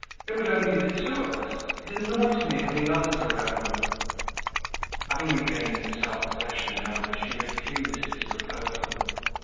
"There would only be the two of us. It annoys me having others around." Having regained her self possession, however, she refused his proposal.